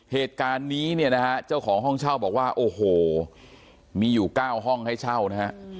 เหตุการณ์นี้เนี่ยนะฮะเจ้าของห้องเช่าบอกว่าโอ้โหมีอยู่๙ห้องให้เช่านะฮะ